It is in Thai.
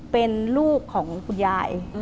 เป็นลูกของคุณยาย